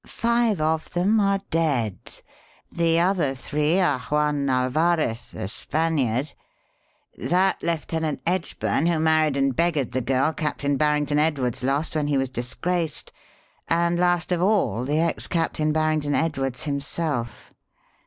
Five of them are dead. The other three are Juan Alvarez, a Spaniard, that Lieutenant Edgburn who married and beggared the girl Captain Barrington Edwards lost when he was disgraced, and last of all the ex Captain Barrington Edwards himself.